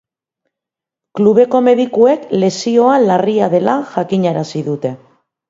Klubeko medikuek lesioa larria dela jakinarazi dute.